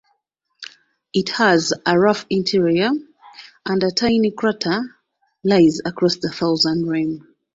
It has a rough interior and a tiny crater lies across the southern rim.